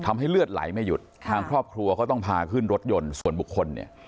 ทำให้เลือดไหลไม่หยุดทางครอบครัวก็ต้องพาขึ้นรถยนต์ส่วนบุคคลเนี่ย